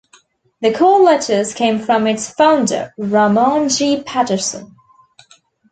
The call letters came from its founder, Ramon G. Patterson.